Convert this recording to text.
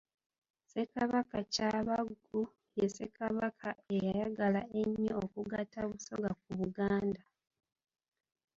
Ssekabaka Kyabaggu ye Ssekabaka eyayagala ennyo okugatta Busoga ku Buganda.